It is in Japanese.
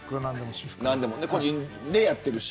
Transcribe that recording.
個人でやっているし。